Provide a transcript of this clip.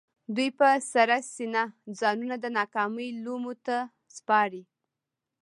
دوی په سړه سينه ځانونه د ناکامۍ لومو ته سپاري.